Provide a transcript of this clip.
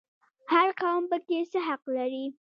هر قوم پکې څه حق لري؟